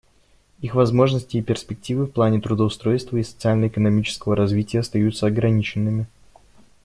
Их возможности и перспективы в плане трудоустройства и социально-экономического развития остаются ограниченными.